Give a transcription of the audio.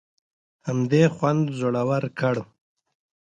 همدې خوند زړور کړو.